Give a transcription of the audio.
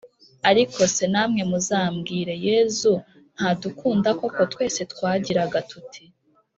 ariko se, namwe muzambwire; yezu ntadukunda koko? twese twagiraga tuti: